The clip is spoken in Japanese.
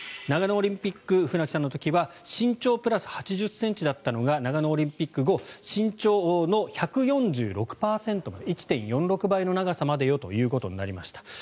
長野オリンピック船木さんの時は身長プラス８０ｃｍだったのが長野オリンピック後身長の１４６％まで１．４６倍の長さまでよということになりました。